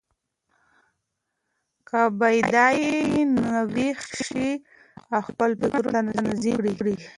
که بیده یې، نو ویښ شه او خپل فکرونه تنظیم کړه.